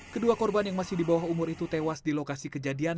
kedua korban yang masih di bawah umur itu tewas di lokasi kejadian